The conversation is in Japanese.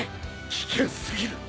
危険過ぎる